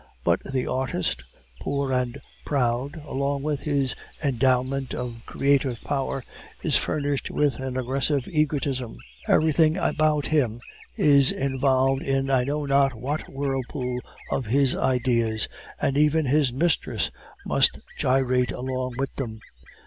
But the artist, poor and proud, along with his endowment of creative power, is furnished with an aggressive egotism! Everything about him is involved in I know not what whirlpool of his ideas, and even his mistress must gyrate along with them.